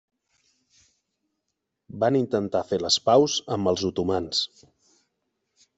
Va intentar fer les paus amb els otomans.